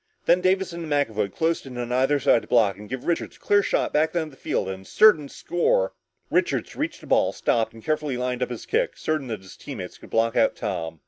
Then Davison and McAvoy closed in on either side to block and give Richards a clear shot back down the field and a certain score. Richards reached the ball, stopped and carefully lined up his kick, certain that his teammates could block out Tom.